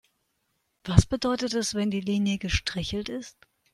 Was bedeutet es, wenn die Linie gestrichelt ist?